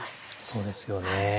そうですよね。